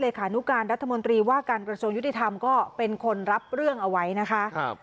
ขานุการรัฐมนตรีว่าการกระทรวงยุติธรรมก็เป็นคนรับเรื่องเอาไว้นะคะ